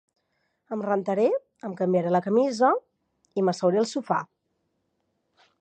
Em rentaré, em canviaré la camisa i m'asseuré al sofà.